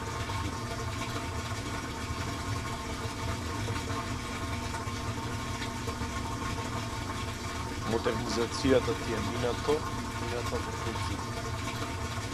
Модернизацијата ти е минато, иднината во турско.